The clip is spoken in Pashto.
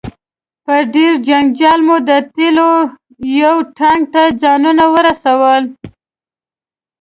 په ډیر جنجال مو د تیلو یو ټانک ته ځانونه ورسول.